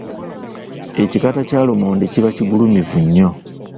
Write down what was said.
Ekikata kya lumonde kiba kigulumivu nnyo.